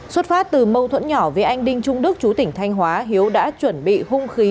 xuất phát từ mâu thuẫn nhỏ với anh đinh trung đức chú tỉnh thanh hóa hiếu đã chuẩn bị hung khí